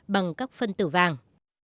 bằng các phân tử vàng